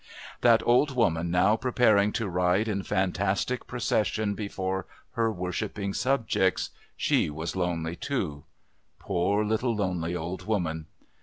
That old woman now preparing to ride in fantastic procession before her worshipping subjects, she was lonely too. Poor, little, lonely, old woman!